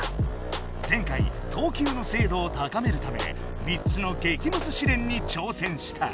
前回とうきゅうのせいどを高めるため３つの激ムズ試練に挑戦した。